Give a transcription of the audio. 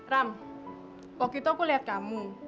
ram waktu itu aku lihat kamu